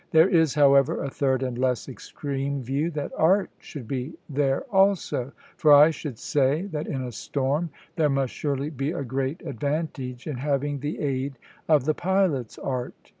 There is, however, a third and less extreme view, that art should be there also; for I should say that in a storm there must surely be a great advantage in having the aid of the pilot's art.